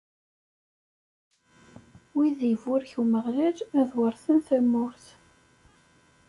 Wid iburek Umeɣlal ad weṛten tamurt.